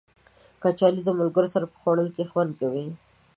کچالو د ملګرو سره په خوړلو کې خوند کوي